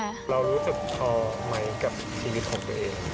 เรารู้สึกพอไหมกับชีวิตของตัวเอง